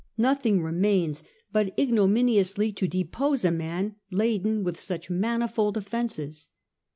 Nothing remains but ignominiously to depose a man laden with such manifold offences."